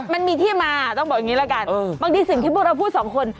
มันมีที่มาต้องบอกอย่างงี้แล้วกันเออบางทีสิ่งที่บุราภูมิสองคน